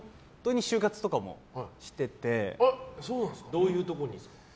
どういうところにですか？